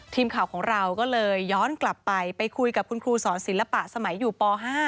ทีมข่าวของเราก็เลยย้อนกลับไปไปคุยกับคุณครูสอนศิลปะสมัยอยู่ป๕